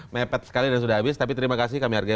mepet sekali dan sudah habis tapi terima kasih kami hargai